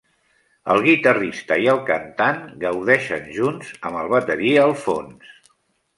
El guitarrista i el cantant gaudeixen junts, amb el bateria al fons.